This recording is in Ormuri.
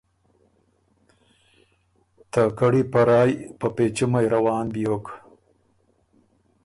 که ته کړّی په رایٛ په پېچُمئ روان بیوک